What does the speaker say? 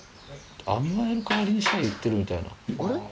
甘える代わりに「シャ」言ってるみたいな。